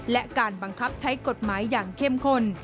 และการบังคับใช้กฎหมายอย่างเข้มข้น